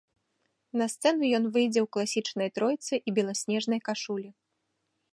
На сцэну ён выйдзе ў класічнай тройцы і беласнежнай кашулі.